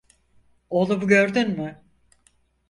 Oğlumu gördün mü?